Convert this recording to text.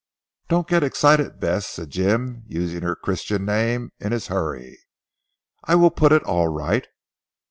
"Don't get excited Bess," said Jim using her Christian name in his hurry. "I will put it alright."